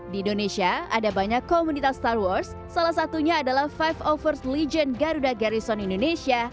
di indonesia ada banyak komunitas star wars salah satunya adalah five overs legion garuda garrison indonesia